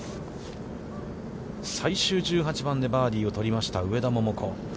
最終１８番でバーディーを取りました、上田桃子。